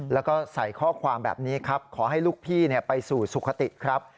แล้วก็ใส่ข้อความแบบนี้ครับขอให้ลูกพี่ไปสู่สุขติครับ